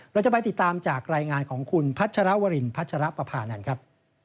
เราจะไปติดตามจากรายงานของคุณพัชรวรินพัชรปภานันทร์ครับ